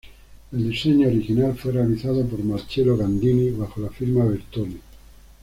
El diseño original fue realizado por Marcello Gandini, bajo la firma Bertone.